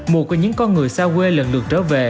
một của những con người xa quê lần lượt trở về